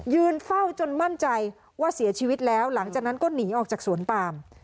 เฝ้าจนมั่นใจว่าเสียชีวิตแล้วหลังจากนั้นก็หนีออกจากสวนปาม